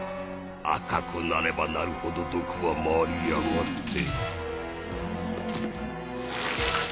赤くなればなるほど毒は回りやがて。